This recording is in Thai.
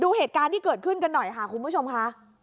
เหตุการณ์ที่เกิดขึ้นกันหน่อยค่ะคุณผู้ชมค่ะ